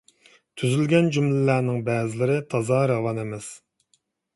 تۈزۈلگەن جۈملىلەرنىڭ بەزىلىرى تازا راۋان ئەمەس،.